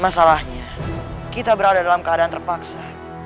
masalahnya kita berada dalam keadaan terpaksa